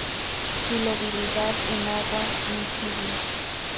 Solubilidad en agua: miscible.